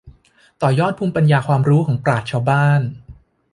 ต่อยอดภูมิปัญญาความรู้ของปราชญ์ชาวบ้าน